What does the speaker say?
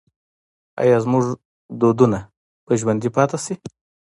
آیا زموږ دودونه به ژوندي پاتې شي؟